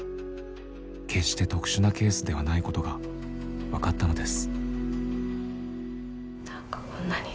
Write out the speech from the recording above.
決して特殊なケースではないことが分かったのです。